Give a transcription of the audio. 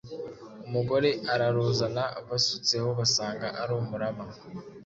umugore araruzana basutseho basanga ari umurama